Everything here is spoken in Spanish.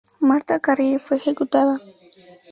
Martha Carrier fue ejecutada.